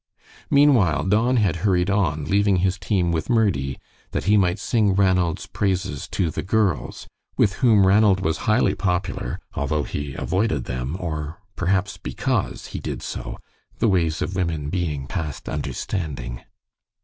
Meanwhile Don had hurried on, leaving his team with Murdie that he might sing Ranald's praises to "the girls," with whom Ranald was highly popular, although he avoided them, or perhaps because he did so, the ways of women being past understanding.